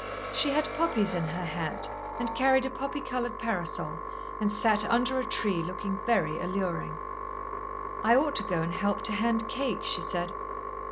She had poppies in her hat and carried a poppy coloured parasol, and sat under a tree, looking very alluring. "I ought to go and help to hand cake," she said.